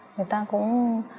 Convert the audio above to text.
người ta cũng